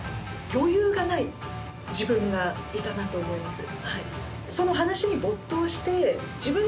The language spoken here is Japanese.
余裕がない自分がいたなと思います。